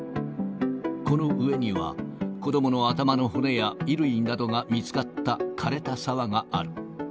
この上には、子どもの頭の骨や衣類などが見つかったかれた沢がある。